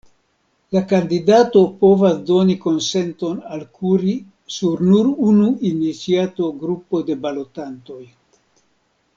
La kandidato povas doni konsenton al kuri sur nur unu iniciato grupo de balotantoj.